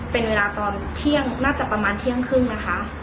เป็นเวลาตอนเที่ยงน่าจะประมาณเที่ยงครึ่งนะคะ